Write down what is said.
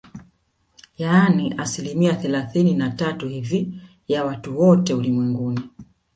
Yaani asilimia thelathini na tatu hivi ya watu wote ulimwenguni